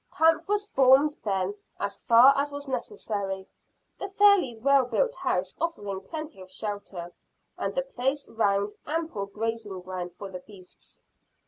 Camp was formed then as far as was necessary, the fairly well built house offering plenty of shelter, and the place round, ample grazing ground for the beasts.